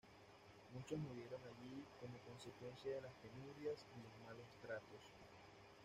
Muchos murieron allí como consecuencia de las penurias y los malos tratos.